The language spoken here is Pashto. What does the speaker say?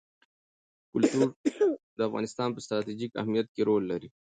کلتور د افغانستان په ستراتیژیک اهمیت کې رول لري.